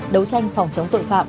đấu tranh phòng chống tội phạm